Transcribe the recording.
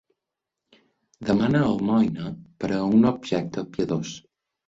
Demana almoina per a un objecte piadós.